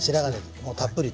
もうたっぷりと。